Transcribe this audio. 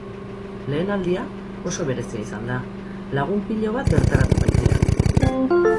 Lehen aldia oso berezia izan da, lagun pilo bat bertaratu baitira.